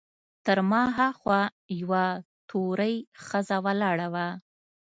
تر ما هاخوا یوه تورۍ ښځه ولاړه وه.